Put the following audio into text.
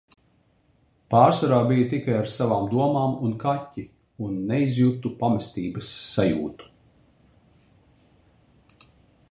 Pārsvarā biju tikai ar savām domām un kaķi. Un neizjutu pamestības sajūtu.